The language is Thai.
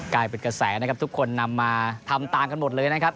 กลายเป็นกระแสนะครับทุกคนนำมาทำตามกันหมดเลยนะครับ